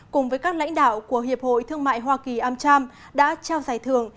cùng với các lãnh đạo của hiệp hội thương mại hoa kỳ amcham đã trao giải thưởng